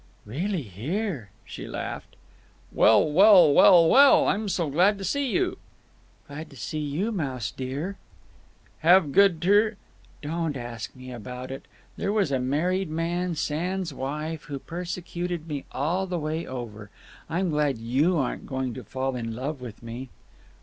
"Really here!" she laughed. "Well, well, well, well! I'm so glad to see you!" "Glad to see you, Mouse dear." "Have good tr—" "Don't ask me about it! There was a married man sans wife who persecuted me all the way over. I'm glad you aren't going to fall in love with me."